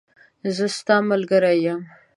زه ستاملګری یم .